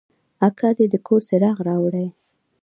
اکا دې د کور خرڅ راوړي.